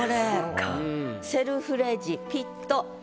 「セルフレジピッと」